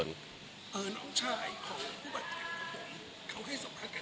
น้องชายของผู้บาดเจ็บของผมเขาให้สัมภาษณ์กับข่าวหลักข่าวไป